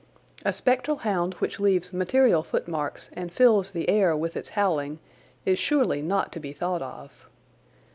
A spectral hound which leaves material footmarks and fills the air with its howling is surely not to be thought of.